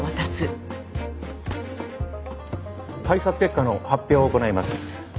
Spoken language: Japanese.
開札結果の発表を行います。